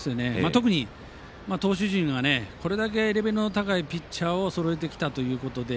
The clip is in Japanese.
特に投手陣がこれだけレベルの高いピッチャーをそろえてきたということで。